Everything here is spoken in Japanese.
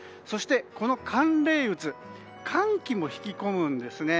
そして、この寒冷渦寒気も引き込むんです。